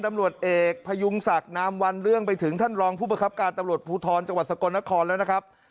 ตำรวจเอกพยุงศักดิ์นามวันเรื่องไปถึงท่านรองผู้ประคับการตำรวจภูทรจังหวัดสกลนครแล้วนะครับ